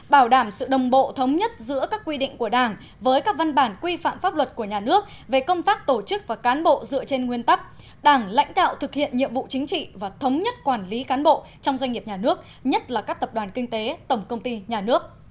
bảo đảm sự đồng bộ thống nhất giữa các quy định của đảng với các văn bản quy phạm pháp luật của nhà nước về công tác tổ chức và cán bộ dựa trên nguyên tắc đảng lãnh đạo thực hiện nhiệm vụ chính trị và thống nhất quản lý cán bộ trong doanh nghiệp nhà nước nhất là các tập đoàn kinh tế tổng công ty nhà nước